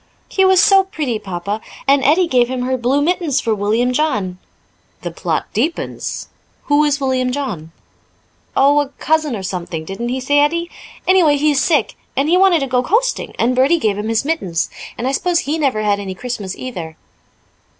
"He was so pretty, Papa. And Edie gave him her blue mittens for William John." "The plot deepens. Who is William John?" "Oh, a cousin or something, didn't he say Edie? Anyway, he is sick, and he wanted to go coasting, and Bertie gave him his mittens. And I suppose he never had any Christmas either."